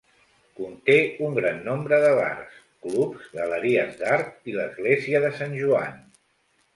Conté un gran nombre de bars, clubs, galeries d'art i l'Església de Sant Joan.